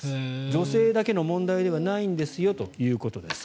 女性だけの問題ではないんですよということです。